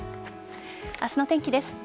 明日の天気です。